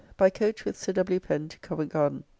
By coach with Sir W. Pen to Covent Garden.